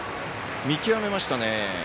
見極めましたね。